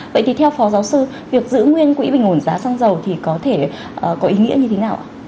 vậy thì theo phó giáo sư việc giữ nguyên quỹ bình ổn giá xăng dầu thì có thể có ý nghĩa như thế nào ạ